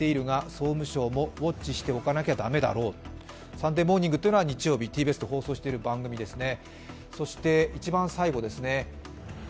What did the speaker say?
「サンデーモーニング」というのは日曜日、ＴＢＳで放送している番組ですね。